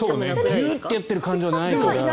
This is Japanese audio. ギュッてやってる感じはないから。